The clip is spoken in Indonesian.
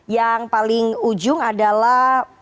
yang paling ujung adalah